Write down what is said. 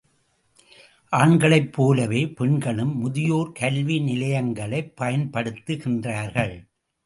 ஆண்களைப் போலவே பெண்களும் முதியோர் கல்விநிலையங்களைப் பயன்படுத்துகின்றார்கள்.